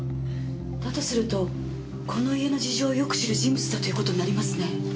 だとするとこの家の事情をよく知る人物だという事になりますね。